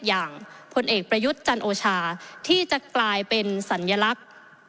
พลเอกประยุทธ์จันโอชาที่จะกลายเป็นสัญลักษณ์